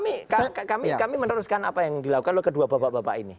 itu waktu kami meneruskan apa yang dilakukan loh kedua bapak bapak ini